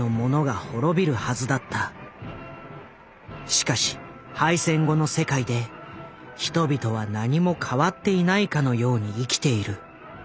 しかし敗戦後の世界で人々は何も変わっていないかのように生きている。